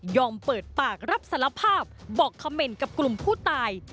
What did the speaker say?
เปิดปากรับสารภาพบอกคำเมนต์กับกลุ่มผู้ตาย